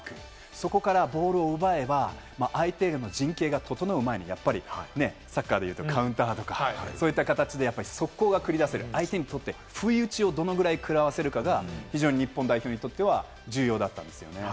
そこからボールを奪えば、相手の陣形が整う前に、サッカーで言うとカウンターとか、そういった形で、速攻が繰り出せる、相手にとって不意打ちをどれぐらい食らわせるかが非常に日本代表にとっては重要だったんですよね。